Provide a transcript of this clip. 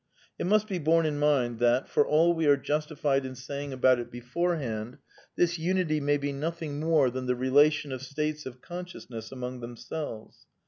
It must be borne in mind that, for all we are justified in saying about it beforehand, this unity may be nothing more than the relation of states of consciousness among themselves.